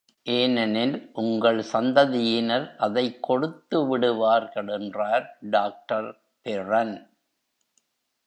ஏனெனில், உங்கள் சந்ததியினர் அதைக் கொடுத்து விடுவார்கள் என்றார் டாக்டர் பெரன்.